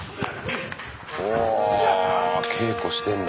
おお稽古してんだ。